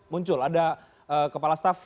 muncul ada kepala staff